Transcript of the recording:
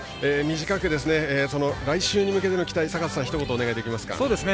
短く、来週に向けての期待坂田さん、ひと言お願いします。